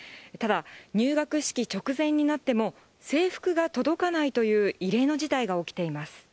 ただ、入学式直前になっても、制服が届かないという異例の事態が起きています。